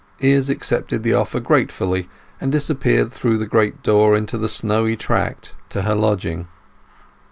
Izz accepted the offer gratefully, and disappeared through the great door into the snowy track to her lodging.